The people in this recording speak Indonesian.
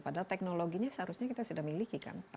padahal teknologinya seharusnya kita sudah miliki kan